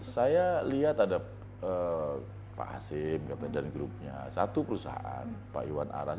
saya lihat ada pak hasim katanya dari grupnya satu perusahaan pak iwan aras